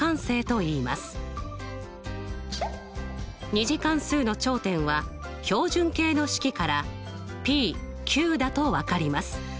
２次関数の頂点は標準形の式からだとわかります。